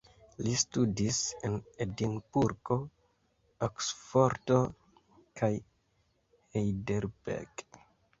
Li studis en Edinburgo, Oksfordo kaj Heidelberg.